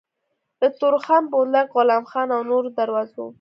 له تورخم، بولدک، غلام خان او نورو دروازو